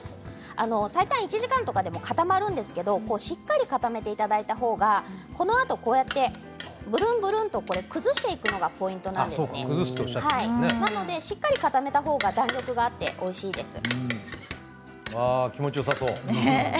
最短１時間とかでも固まるんですけどしっかり固めていただいたほうがこのあとこうやってぶるんぶるんと崩していくのがポイントなのでしっかり固めたほうが弾力があっておいしいです。